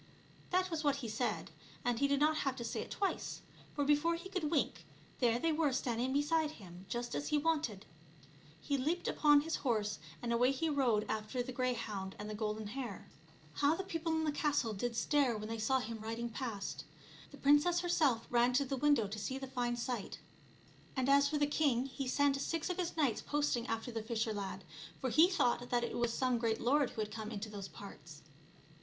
That was what he said, and he did not have to say it twice ; for before he could wink there they were standing beside him just as he wanted. He leaped upon his horse and away he rode after the greyhound and the golden hare. How the people in the castle did stare when they saw him riding past ! The princess herself ran to the w.ipdow to see the fine sight, and as for the ^e<I5itp 9l!^tifsitv i^ caught m^tsitnsm anbt5»^toept atoa^.but^ 102 ONE GOOD TURN DESERVES ANOTHER king, he sent six of his knights posting after the fisher lad, for he thought that it was some great lord who had come into those parts.